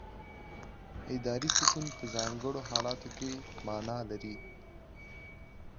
اداري سکوت په ځانګړو حالاتو کې معنا لري.